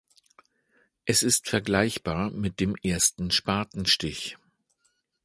Er ist vergleichbar mit dem Ersten Spatenstich.